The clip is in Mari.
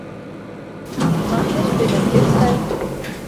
Пашаште гын пеш сай.